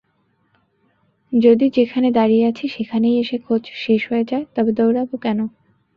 যদি যেখানে দাঁড়িয়ে আছি সেখানেই এসে খোঁজ শেষ হয়ে যায়, তবে দৌড়াব কেন?